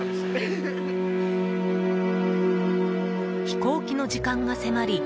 飛行機の時間が迫り